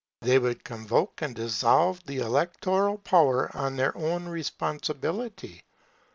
They would convoke and dissolve the electoral power on their own responsibility.